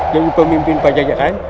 jadi pemimpin pajajaran